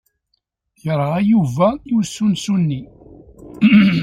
Yerɣa Yuba i usensu-nni.